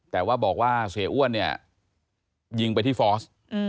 แต่ว่าบอกว่าเสียอ้วนเนี่ยยิงไปที่ฟอร์ส